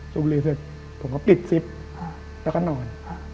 บุรีเสร็จผมก็ปิดซิปแล้วก็นอน